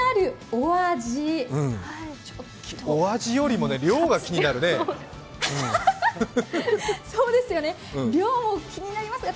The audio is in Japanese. お味よりも量が気になるね。